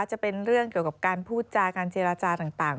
จะเป็นเรื่องเกี่ยวกับการพูดจาการเจรจาต่าง